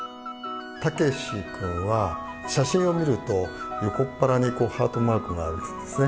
たけし君は写真を見ると横っ腹にハートマークがあるんですね。